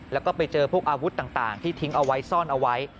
แล้วก็ไปเจอพวกอาวุธต่างที่ทิ้งเอาไว้ซ่อนเอาไว้